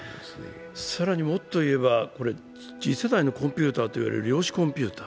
更にもっと言えば、次世代のコンピュータといわれる量子コンピュータ。